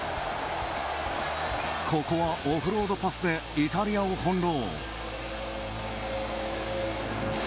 ここは、オフロードパスでイタリアを翻弄。